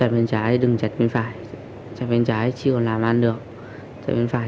trong câu trình chặt chị có phản ứng gì nào